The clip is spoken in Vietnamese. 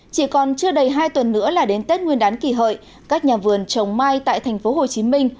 chỉ còn chưa đầy hai tuần nữa là đến tết nguyên đán kỳ hợi các nhà vườn trồng mai tại thành phố hồ chí minh